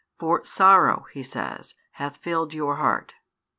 For sorrow, He says, hath filled your heart.